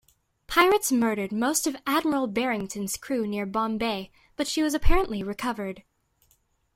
Pirates murdered most of "Admiral Barrington"s crew near Bombay, but she was apparently recovered.